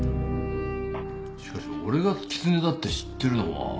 しかし俺が狐だって知ってるのは。